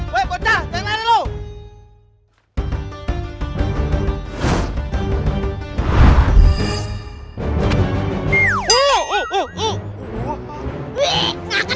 weh bocah jangan lari lu